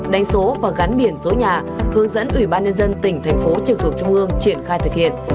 đánh số và gắn biển số nhà hướng dẫn ủy ban nhân dân tỉnh thành phố trực thuộc trung ương triển khai thực hiện